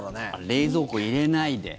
冷蔵庫入れないで。